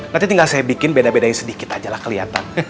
nanti tinggal saya bikin beda bedain sedikit aja lah kelihatan